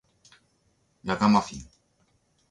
ラガマフィン